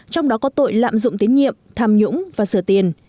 trong đó có tội lạm dụng tín nhiệm tham nhũng và sửa tiền